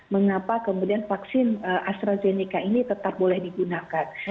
mengapa kemudian vaksin astrazeneca ini tetap boleh digunakan